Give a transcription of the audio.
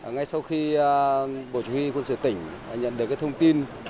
ngay sau khi bộ chỉ huy quân sự tỉnh nhận được thông tin